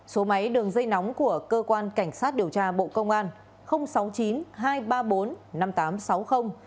số máy đường dây nóng của cơ quan cảnh sát điều tra bộ công an sáu mươi chín hai trăm ba mươi bốn năm nghìn tám trăm sáu mươi